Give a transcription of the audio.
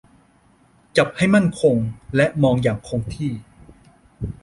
จับให้มั่นคงและมองอย่างคงที่